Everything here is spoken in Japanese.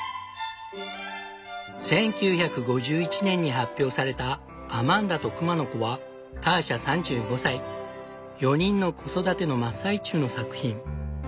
１９５１年に発表された「アマンダとくまの子」はターシャ３５歳４人の子育ての真っ最中の作品。